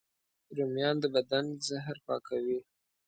رومیان د بدن زهر پاکوي